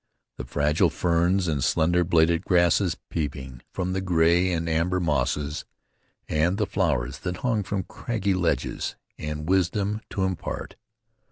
The fragile ferns and slender bladed grasses peeping from the gray and amber mosses, and the flowers that hung from craggy ledges, had wisdom to impart.